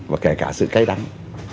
và kể cả sự cay đắng